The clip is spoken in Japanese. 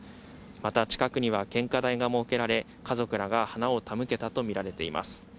また近くには献花台が設けられ、家族らが花を手向けたと見られています。